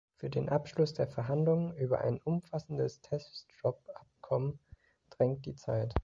Für den Abschluss der Verhandlungen über ein umfassendes Teststoppabkommen drängt die Zeit.